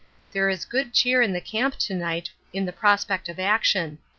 There is good cheer in the camp to night in the prospect of action.